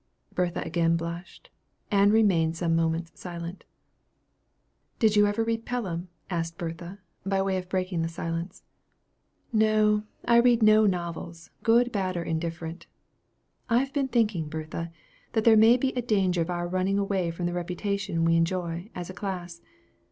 Bertha again blushed. Ann remained some moments silent. "Did you ever read Pelham?" asked Bertha, by way of breaking the silence. "No; I read no novels, good, bad, or indifferent. I have been thinking, Bertha, that there may be danger of our running away from the reputation we enjoy, as a class.